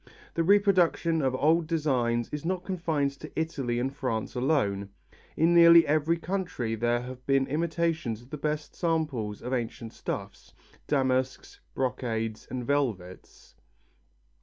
The reproduction of old designs is not confined to Italy and France alone. In nearly every country there have been imitators of the best samples of ancient stuffs, damasks, brocades and velvets.